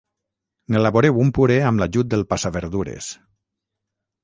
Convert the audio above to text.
n'elaboreu un puré amb l'ajut del passaverdures